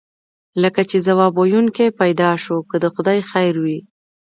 لکه چې ځواب ویونکی پیدا شو، که د خدای خیر وي.